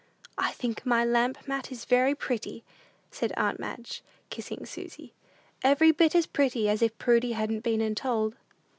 "I think my lamp mat is very pretty," said aunt Madge, kissing Susy; "every bit as pretty as if Prudy hadn't 'been and told.'"